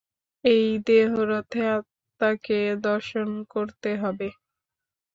এই দেহরথে আত্মাকে দর্শন করতে হবে।